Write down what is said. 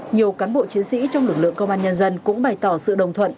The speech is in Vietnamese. nhiều cán bộ chiến sĩ trong lực lượng công an nhân dân cũng bày tỏ sự đồng thuận